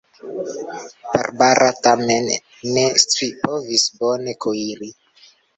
Barbara tamen ne scipovis bone kuiri.